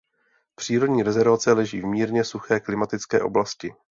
Přírodní rezervace leží v mírně suché klimatické oblasti.